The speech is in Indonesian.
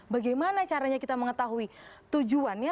bagaimana caranya kita mengetahui tujuannya